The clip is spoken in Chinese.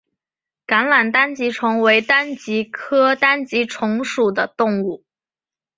橄榄单极虫为单极科单极虫属的动物。